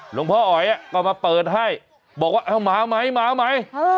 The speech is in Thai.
หลวงพ่ออ๋อยก็มาเปิดให้บอกว่าเอาหมาไหมหมาไหม